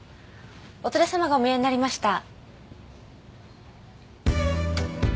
お連れ様がお見えになりました。